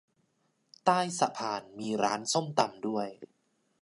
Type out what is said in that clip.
ใต้สะพานมีร้านส้มตำด้วย